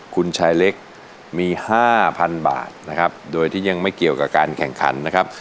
คุณชายเล็กมีห้าพันบาทนะครับโดยที่ยังไม่เกี่ยวกับการแข่งขันนะครับ